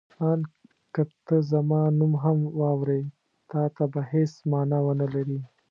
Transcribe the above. آن که ته زما نوم هم واورې تا ته به هېڅ مانا ونه لري.